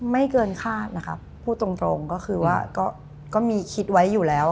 ไม่เกินคาดนะครับพูดตรงก็คือว่าก็มีคิดไว้อยู่แล้ว